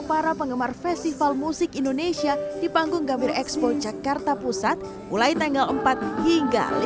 para penggemar festival musik indonesia di panggung gambir expo jakarta pusat mulai tanggal empat hingga lima